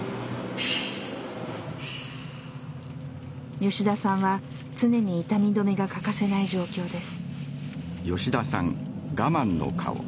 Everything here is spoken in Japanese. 吉田さんは常に痛み止めが欠かせない状況です。